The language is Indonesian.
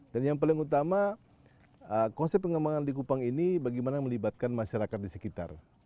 dan yang paling utama konsep pengembangan likupang ini bagaimana melibatkan masyarakat di sekitar